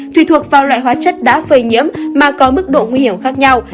tùy thuộc vào loại hóa chất đã phơi nhiễm mà có mức độ nguy hiểm khác nhau